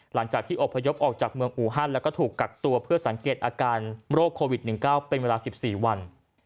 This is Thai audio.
หลังจากที่อบพยพออกจากเมืองอูฮันแล้วก็ถูกกักตัวเพื่อสังเกตอาการโรคโควิด๑๙เป็นเวลา๑๔วัน